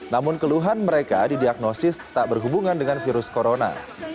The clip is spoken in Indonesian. namun keluhan mereka didiagnosis tak berhubungan dengan virus corona